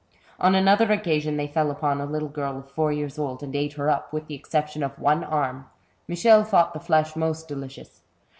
On another occasion they fell upon a little girl of four years old, and ate her up, with the exception of one arm. Michel thought the flesh most delicious.